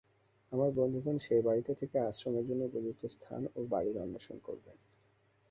আমার বন্ধুগণ সেই বাড়ীতে থেকে আশ্রমের জন্য উপযুক্ত স্থান ও বাড়ীর অন্বেষণ করবেন।